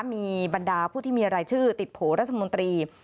มีบรรดาผู้ที่มีรายชื่อติดโผล่รัฐมนตรี